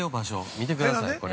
見てください、これ。